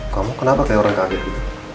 kamu kenapa kayak orang kaget gitu